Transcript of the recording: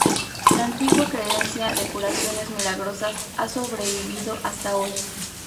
La antigua creencia de curaciones milagrosas ha sobrevivido hasta hoy.